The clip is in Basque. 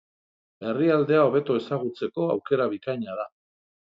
Herrialdea hobeto ezagutzeko aukera bikaina da.